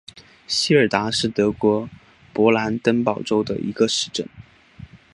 席尔达是德国勃兰登堡州的一个市镇。